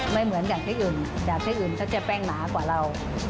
ไม่เหมือนกับที่อื่นแต่ที่อื่นเขาจะแป้งหนากว่าเรา